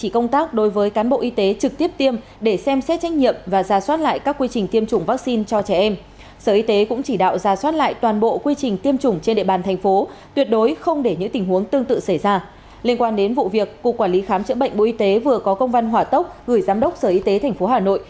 cụ quản lý khám chữa bệnh bộ y tế vừa có công văn hỏa tốc gửi giám đốc sở y tế tp hà nội